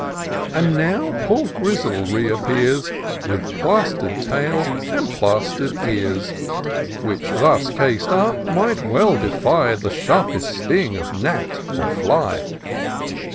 And now poor Grizzle re appears. With plaster'd tail, and plaster'd ears. Which thus cas'd up, might well defy The sharpest sting of gnat or fly.